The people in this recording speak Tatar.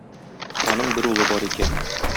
Аның бер улы бар икән.